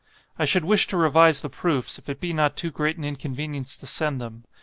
"I should wish to revise the proofs, if it be not too great an inconvenience to send them.